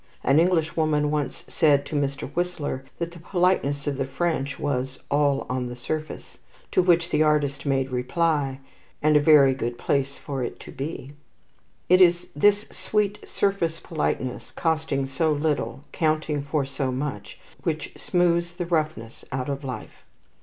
An Englishwoman once said to Mr. Whistler that the politeness of the French was "all on the surface," to which the artist made reply: "And a very good place for it to be." It is this sweet surface politeness, costing so little, counting for so much, which smooths the roughness out of life.